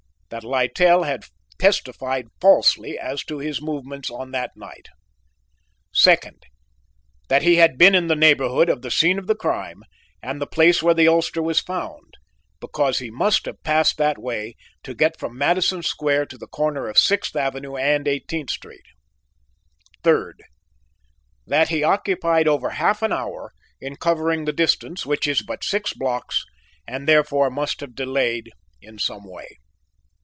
That Littell had testified falsely as to his movements on that night. "2d. That he had been in the neighborhood of the scene of the crime and the place where the ulster was found, because he must have passed that way to get from Madison Square to the corner of Sixth Avenue and Eighteenth Street. "3d. That he occupied over half an hour in covering the distance, which is but six blocks, and therefore must have delayed in some way.